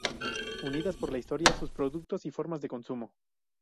Unidas por la historia, sus productos y formas de consumo.